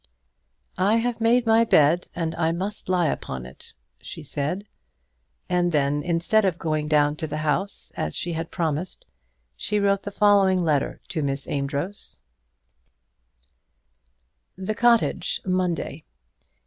"I have made my bed and I must lie upon it," she said. And then, instead of going down to the house as she had promised, she wrote the following letter to Miss Amedroz: The Cottage, Monday.